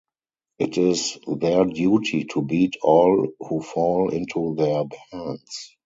It is their duty to beat all who fall into their hands.